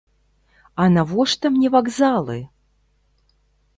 А навошта мне вакзалы?